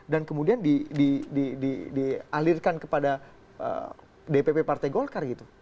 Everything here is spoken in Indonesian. dan kemudian dialirkan kepada dpp partai golkar gitu